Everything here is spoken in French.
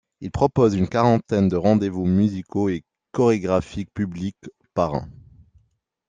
Il propose une quarantaine de rendez-vous musicaux et chorégraphiques publics par an.